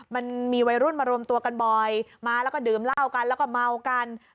มันมีวัยรุ่นมารวมตัวกันบ่อยมาแล้วก็ดื่มเหล้ากันแล้วก็เมากัน